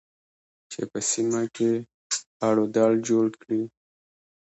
چې په سیمه کې اړو دوړ جوړ کړي